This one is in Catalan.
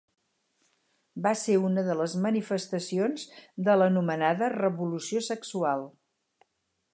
Va ser una de les manifestacions de l'anomenada revolució sexual.